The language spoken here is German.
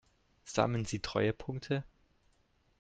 Sammeln Sie Treuepunkte?